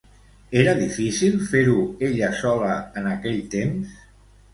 Era difícil fer-ho ella sola en aquell temps?